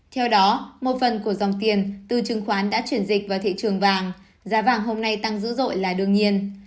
theo đó một phần của dòng tiền từ chứng khoán đã chuyển dịch vào thị trường vàng giá vàng hôm nay tăng dữ dội là đương nhiên